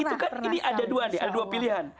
itu kan ini ada dua nih ada dua pilihan